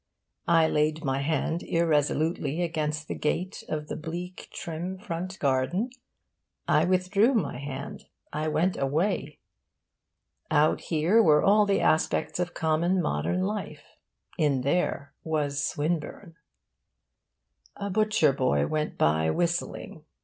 I laid my hand irresolutely against the gate of the bleak trim front garden, I withdrew my hand, I went away. Out here were all the aspects of common modern life. In there was Swinburne. A butcher boy went by, whistling.